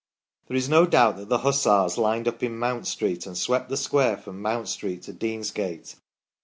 There is no doubt that the Hussars lined up in Mount Street, and swept the square from Mount Street to Deansgate.